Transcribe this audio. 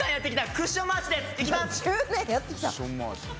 クッション回し。